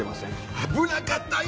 危なかったよ！